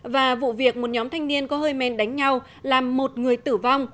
và vụ việc một nhóm thanh niên có hơi men đánh nhau làm một người tử vong